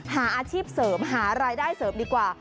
หาอาชีพเสริมหารายได้เสริมดีกว่า